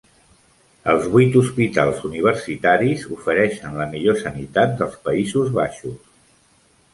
Els vuit hospitals universitaris ofereixen la millor sanitat dels Països Baixos.